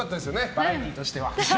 バラエティーとしては。